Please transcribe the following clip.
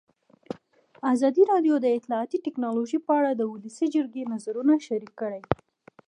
ازادي راډیو د اطلاعاتی تکنالوژي په اړه د ولسي جرګې نظرونه شریک کړي.